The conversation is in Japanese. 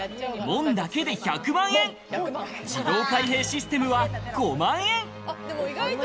門だけで１００万円、自動開閉システムは５万円。